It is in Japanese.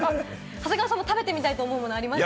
長谷川さんも食べてみたいものありました？